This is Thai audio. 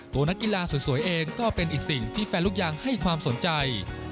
ตัวนักกีฬาสวยเองก็เป็นอีกสิ่งที่แฟนลูกยางให้ความสนใจ